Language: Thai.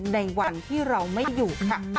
ในวันที่เราไม่อยู่ค่ะ